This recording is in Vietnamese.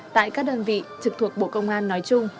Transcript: tại các đơn vị trực thuộc bộ công an nói chung